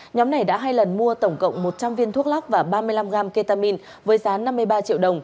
nhóm này đã hai lần mua tổng cộng một trăm linh viên thuốc lóc và ba mươi năm g ketamin với giá năm mươi ba triệu đồng